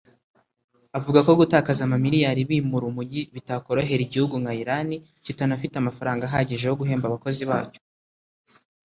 avuga ko gutakaza amamiliyari bimura umujyi bitakorohera igihugu nka Iran kitanafite amafaranga ahagije yo guhemba abakozi bacyo